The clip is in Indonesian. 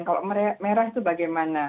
kalau merah itu bagaimana